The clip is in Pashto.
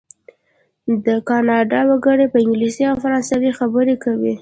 د کانادا وګړي په انګلیسي او فرانسوي خبرې کوي.